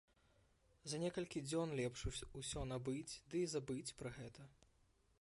За некалькі дзён лепш усё набыць, ды і забыць пра гэта.